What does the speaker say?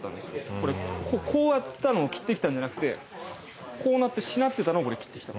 これこうやったのを切ってきたんじゃなくてこうなってしなってたのをこれ切ってきた。